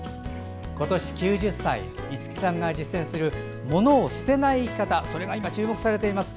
今年９０歳、五木さんが実践する物を捨てない生き方が今、注目されています。